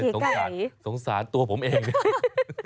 โอ้ไกลสงสารตัวผมเองโอ้